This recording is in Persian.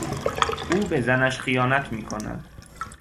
او به زنش خیانت میکند.